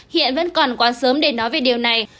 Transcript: hiện vẫn còn quá sớm để nói về điều này